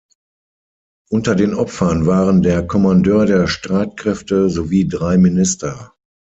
Unter den Opfern waren der Kommandeur der Streitkräfte sowie drei Minister.